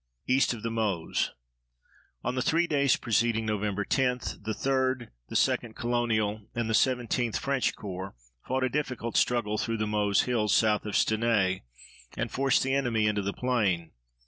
EAST OF THE MEUSE On the three days preceding Nov. 10, the 3d, the 2d Colonial, and the 17th French Corps fought a difficult struggle through the Meuse hills south of Stenay and forced the enemy into the plain.